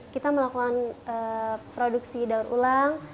kita melakukan produksi daur ulang